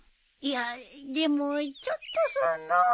いやでもちょっとその。